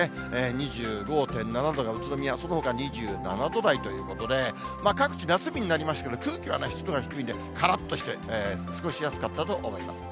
２５．７度が宇都宮、そのほか２７度台ということで、各地夏日になりましてね、空気はね、湿度が低いんで、からっとして、過ごしやすかったと思います。